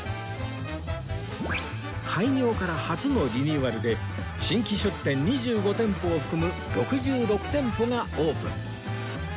開業から初のリニューアルで新規出店２５店舗を含む６６店舗がオープン